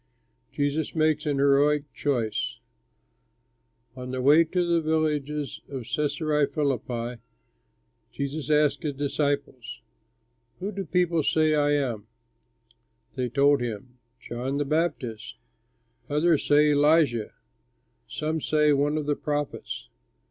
JESUS MAKES AN HEROIC CHOICE On their way to the villages of Cæsarea Philippi Jesus asked his disciples, "Who do people say I am?" They told him, "John the Baptist; others say, 'Elijah'; some say, 'One of the prophets.'"